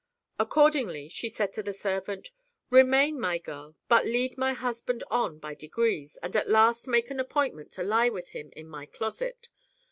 Accordingly, she said to the servant " Remain, my girl, but lead my husband on by degrees, and at last make an appointment to lie with him in my closet.